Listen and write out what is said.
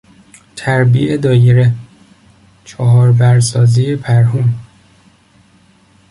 تربیع دایره، چهاربر سازی پرهون